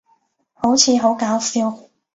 好似好搞笑